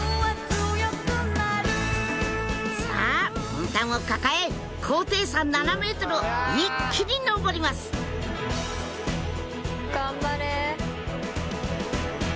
ボンタンを抱え高低差７ｍを一気に上ります頑張れ！